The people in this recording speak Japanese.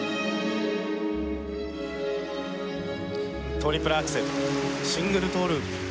トリプルアクセルシングルトーループ。